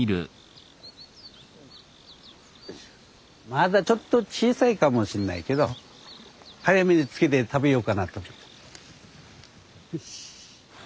まだちょっと小さいかもしんないけど早めに漬けて食べようかなと。